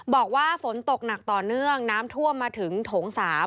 บอกว่าฝนตกหนักต่อเนื่องน้ำท่วมมาถึงโถง๓